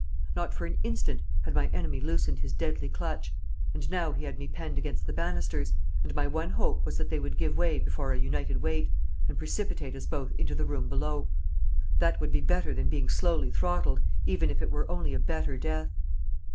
Not for an instant had my enemy loosened his deadly clutch, and now he had me penned against the banisters, and my one hope was that they would give way before our united weight, and precipitate us both into the room below. That would be better than being slowly throttled, even if it were only a better death.